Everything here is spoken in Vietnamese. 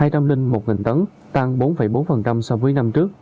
hai trăm linh một nghìn tấn tăng bốn bốn so với năm trước